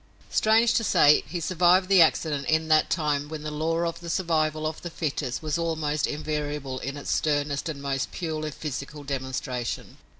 Strange to say he survived the accident in that time when the law of the survival of the fittest was almost invariable in its sternest and most purely physical demonstration.